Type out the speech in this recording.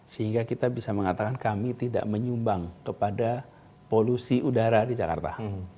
sehingga kita bisa mengatakan kami tidak menyumbang kepada polusi udara di jakarta